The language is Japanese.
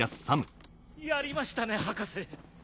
やりましたね博士。